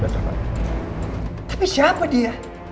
tapi siapa dia